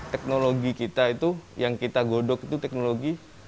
teknologi kita itu yang kita godok itu teknologi